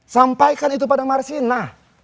sampaikan itu pada marsina